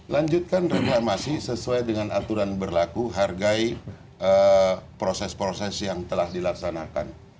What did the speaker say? lanjutkan reklamasi sesuai dengan aturan berlaku hargai proses proses yang telah dilaksanakan